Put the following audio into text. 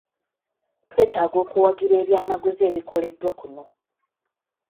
Twetaaga okuwagira ebyamaguzi ebikoleddwa kuno.